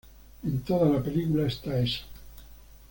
En toda la película está eso.